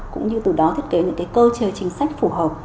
cũng như từ đó thiết kế những cái cơ chế chính sách phù hợp